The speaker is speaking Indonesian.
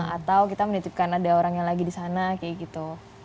atau kita menitipkan ada orang yang lagi di sana kayak gitu